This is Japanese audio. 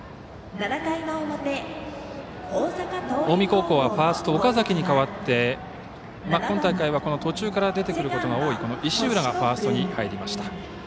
近江高校はファースト岡崎に代わって今大会は途中から出ることが多い石浦がファーストに入りました。